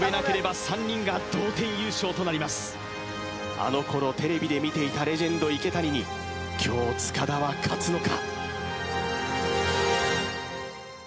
あの頃テレビで見ていたレジェンド・池谷に今日塚田は勝つのか？